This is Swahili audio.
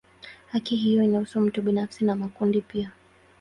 Haki hiyo inahusu mtu binafsi na makundi pia.